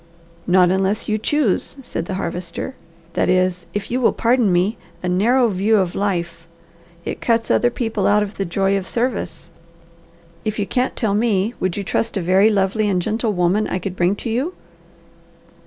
"Not unless you choose," said the Harvester. "That is, if you will pardon me, a narrow view of life. It cuts other people out of the joy of service. If you can't tell me, would you trust a very lovely and gentle woman I could bring to you?"